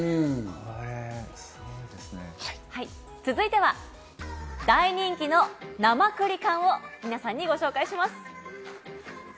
続いては、大人気のなまくり缶を皆さんにご紹介します。